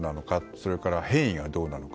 それから変異はどうなのか。